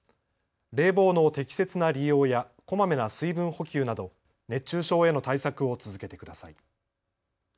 冷房の適切な利用やこまめな水分補給など熱中症への対策を続けてください。